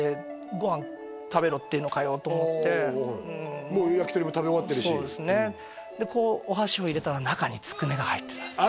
「ご飯食べろっていうのかよ」と思って焼き鳥も食べ終わってるしそうですねでこうお箸を入れたら中につくねが入ってたんですよ